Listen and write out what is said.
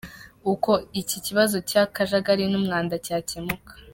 Uko iki kibazo cy’akajagari n’umwanda cyakemuka.